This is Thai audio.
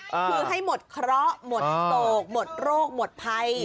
คือให้หมดเคราะห์หมดโศกหมดโรคหมดภัย